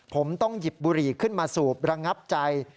ผมต้องหยิบบุหรี่ขึ้นมาสูบระงับใจ